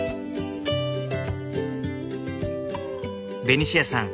ベニシアさん